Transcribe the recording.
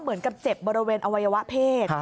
เหมือนกับเจ็บบริเวณอวัยวะเพศ